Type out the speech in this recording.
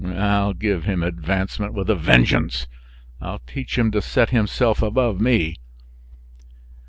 I'll give him advancement with a vengeance! I'll teach him to set himself above me!"